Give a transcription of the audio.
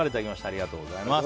ありがとうございます。